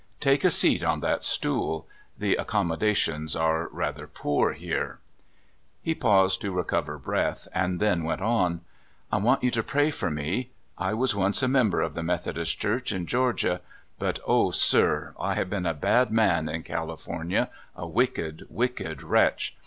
Take a seat on that stool — the accommodations are rather poor here." (41) 4^ CALIFORNIA SKETCHES. He paused to recover breath, and then went on: " I want you to pray for me. I was once a mem ber of the Methodist Church, in Georgia; but O sir, I have been a bad man in CaHfornia — a wick ed, wicked wretch!